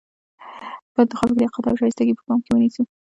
په انتخاب کې لیاقت او شایستګي په پام کې ونیسو.